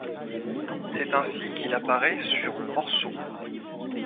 C'est ainsi qu'il apparaît sur le morceau '.